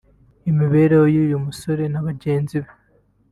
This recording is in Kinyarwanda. Imibereho y’uyu musore na bagenzi be